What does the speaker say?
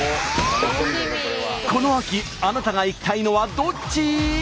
この秋あなたが行きたいのはどっち？